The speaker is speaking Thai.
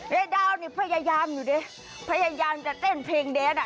ยายดาวนี่พยายามอยู่ดิพยายามจะเต้นเพลงแดนอ่ะ